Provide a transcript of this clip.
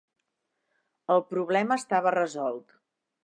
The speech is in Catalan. El problema estava resolt.